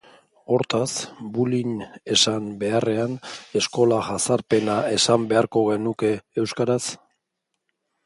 Hortaz, bullying esan beharrean eskola jazarpena esan beharko genuke euskaraz?